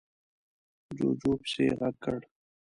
جُوجُو پسې غږ کړ: